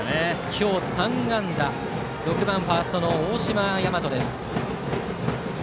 今日３安打６番ファーストの大島陵翔。